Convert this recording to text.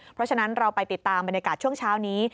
เพราะฉะนั้นเราไปติดตามบรรยากาศช่วงเช้านี้